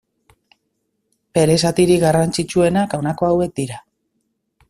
Bere zatirik garrantzitsuenak honako hauek dira.